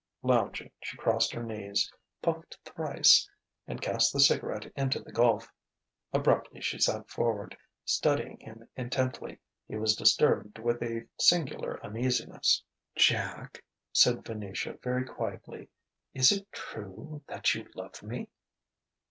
Lounging, she crossed her knees, puffed thrice and cast the cigarette into the gulf. Abruptly she sat forward, studying him intently. He was disturbed with a singular uneasiness. "Jack," said Venetia very quietly, "is it true that you love me?"